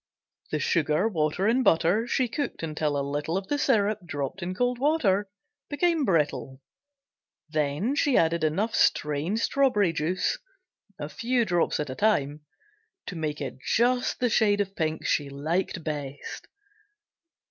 The sugar, water and butter she cooked until a little of the syrup, dropped in cold water, became brittle, then she added enough strained strawberry juice (a few drops at a time) to make it just the shade of pink she liked best.